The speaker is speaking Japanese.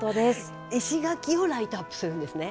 石垣をライトアップするんですね。